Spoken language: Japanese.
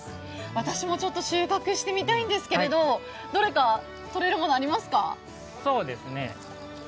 私もちょっと収穫してみたいんですけれども、どれか取れるものありますか。